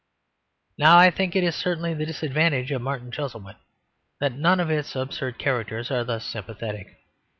Now I think it is certainly the disadvantage of Martin Chuzzlewit that none of its absurd characters are thus sympathetic.